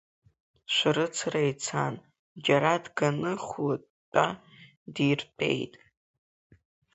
Шәарыцара ицан, џьара дганы Хәлатәа диртәеит.